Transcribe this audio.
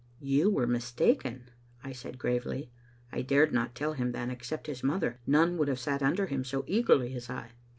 "You were mistaken," I said, gravely. I dared not tell him that, except his mother, none would have sat under him so eagerly as I.